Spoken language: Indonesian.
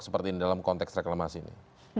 seperti ini dalam konteks reklamasi ini